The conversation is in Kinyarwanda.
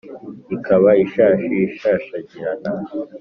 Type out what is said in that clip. Ikaba ishashi ishashagirana